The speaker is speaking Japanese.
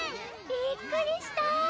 びっくりした。